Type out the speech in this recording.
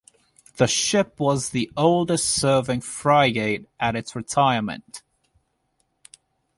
The ship was the oldest serving frigate at its retirement.